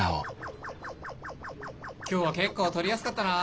今日は結構獲りやすかったな。